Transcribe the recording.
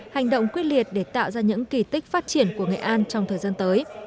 hành động quyết liệt để tạo ra những kỳ tích phát triển của nghệ an trong thời gian tới